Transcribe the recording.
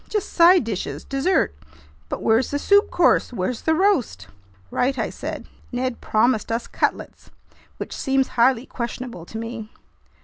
"Just side dishes, dessert. But where's the soup course? Where's the roast?" "Right," I said. "Ned promised us cutlets, which seems highly questionable to me."